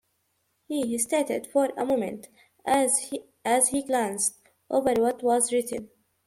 He hesitated for a moment as he glanced over what was written.